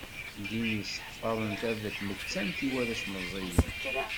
Ddin yesseḥfaḍen tarda n tmettant i warrac meẓẓiyen.